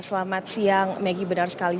selamat siang maggie benar sekali